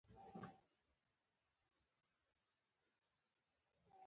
په دې منځ کي باندی تېر سوله کلونه